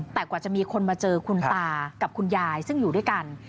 แต่กว่าจะมีคนมาเจอคุณตากับคุณยายซึ่งอยู่ด้วยกัน